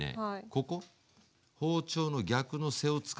ここ包丁の逆の背を使って。